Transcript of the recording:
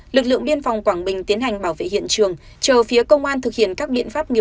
lực lượng biên phòng quảng bình tiến hành bảo vệ hiện trường